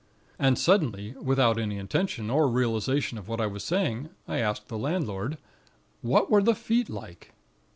"And suddenly, without any intention, or realization of what I was saying, I asked the landlord: "'What were the feet like?'